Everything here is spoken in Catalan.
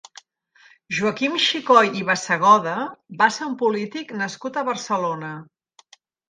Joaquim Xicoy i Bassegoda va ser un polític nascut a Barcelona.